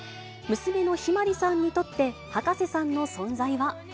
娘の向日葵さんにとって、葉加瀬さんの存在は。